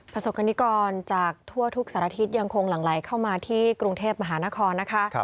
ประสบกรณิกรจากทั่วทุกสารทิศยังคงหลั่งไหลเข้ามาที่กรุงเทพมหานครนะคะ